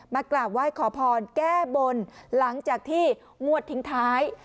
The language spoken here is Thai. กราบไหว้ขอพรแก้บนหลังจากที่งวดทิ้งท้าย